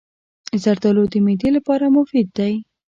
زردالو د معدې لپاره مفید دی.